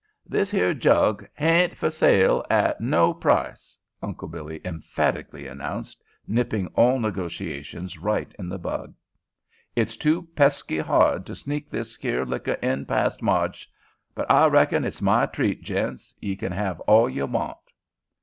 "This here jug hain't fer sale at no price," Uncle Billy emphatically announced, nipping all negotiations right in the bud. "It's too pesky hard to sneak this here licker in past Marge't, but I reckon it's my treat, gents. Ye kin have all ye want."